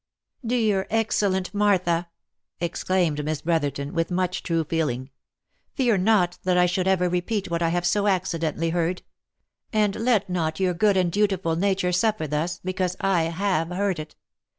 " Dear excellent Martha V exclaimed Miss Brotherton, with much true feeling, " fear not that I should ever repeat what I have so acci dentally heard ; and let not your good and dutiful nature suffer thus, because I have heard it.